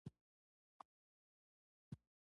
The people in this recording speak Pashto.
سندره د زړه غږ ته ژباړه ده